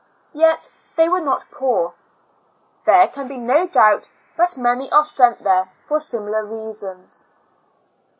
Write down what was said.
Yet they were not poor. There can be no doubt but many are sent there for similar reasons.